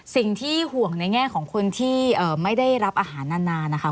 สิ่งที่ห่วงในแง่ของคนที่ไม่ได้รับอาหารนานนะคะ